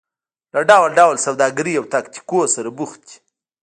له ډول ډول سوداګریو او تاکتیکونو سره بوخت دي.